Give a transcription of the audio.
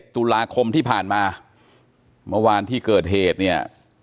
ตุลาคมที่ผ่านมาเมื่อวานที่เกิดเหตุเนี่ย